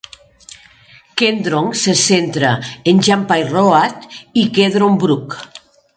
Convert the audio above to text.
Kendron se centra en Gympie Road i Kedron Brook.